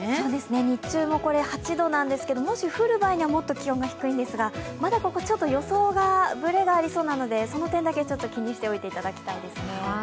日中も８度なんですがもし降る場合には、もっと気温が低いんですが、まだここちょっと予想が、ぶれがありそうなのでその点だけ気にしておいていただきたいですね。